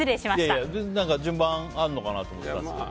順番があるのかなと思って。